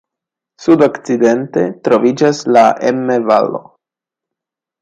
Sudokcidente troviĝas la Emme-Valo.